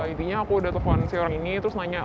intinya aku udah telepon si orang ini terus nanya